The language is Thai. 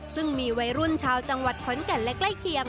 ซึ่งมีวัยรุ่นชาวจังหวัดขอนแก่นและใกล้เคียง